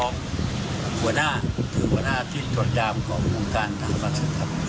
พอร์มหัวหน้าคือหัวหน้าที่จดยามของมงการสาธารณสัทธิ์ครับ